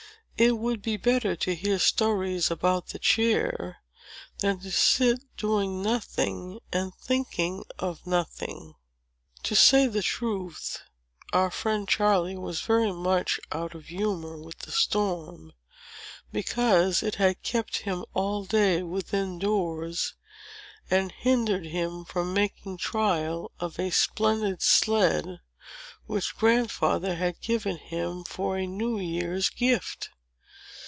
It would be better to hear stories about the chair, than to sit doing nothing, and thinking of nothing." To say the truth, our friend Charley was very much out of humor with the storm, because it had kept him all day within doors, and hindered him from making trial of a splendid sled, which Grandfather had given him for a New Year's gift.